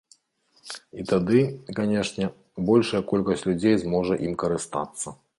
І тады, канечне, большая колькасць людзей зможа ім карыстацца.